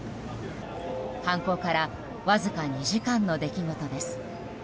犯行からわずか２時間の出来事です。